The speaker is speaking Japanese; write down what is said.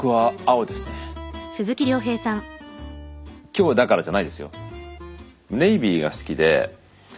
今日だからじゃないですよ。